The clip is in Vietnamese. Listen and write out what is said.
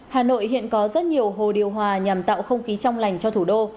hà nội hiện có rất nhiều hồ điều hòa nhằm tạo không khí trong lành cho thủ đô